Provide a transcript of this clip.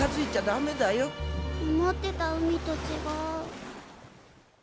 思ってた海とちがう。